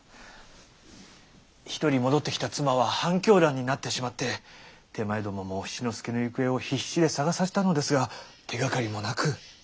一人戻ってきた妻は半狂乱になってしまって手前どもも七之助の行方を必死で捜させたのですが手がかりもなく。